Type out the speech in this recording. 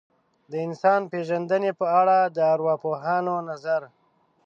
د انسان پېژندنې په اړه د ارواپوهانو نظر.